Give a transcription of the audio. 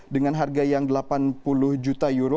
dengan harga yang delapan puluh juta euro